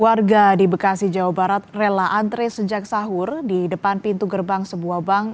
warga di bekasi jawa barat rela antre sejak sahur di depan pintu gerbang sebuah bank